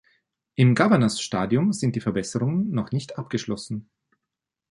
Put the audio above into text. Im Governors Stadium sind die Verbesserungen noch nicht abgeschlossen.